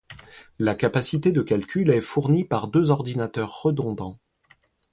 La capacité de calcul est fournie par deux ordinateurs redondants.